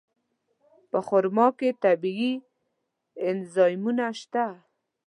په خرما کې طبیعي انزایمونه شته.